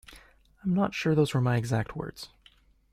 I'm not sure those were my exact words.